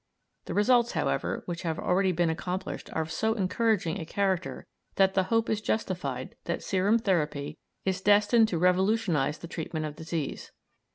The results, however, which have already been accomplished are of so encouraging a character that the hope is justified that serum therapy is destined to revolutionise the treatment of disease.